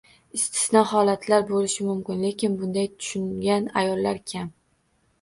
Istisno holatlar bo`lishi mumkin, lekin bunday tushungan ayollar kam